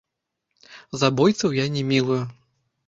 Забойцаў я не мілую!